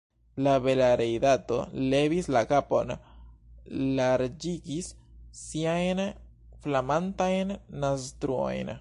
La bela rajdato levis la kapon, larĝigis siajn flamantajn naztruojn.